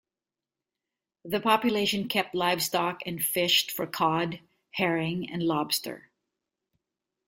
The population kept livestock and fished for cod, herring, and lobster.